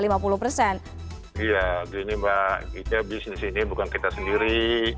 iya gini mbak kita bisnis ini bukan kita sendiri